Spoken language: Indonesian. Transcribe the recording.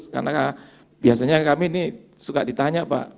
karena biasanya kami ini suka ditanya pak